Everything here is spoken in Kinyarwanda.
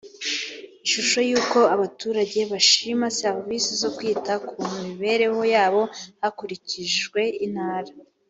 ishusho y uko abaturage bashima serivisi zo kwita ku mibereho yabo hakurikijwe intara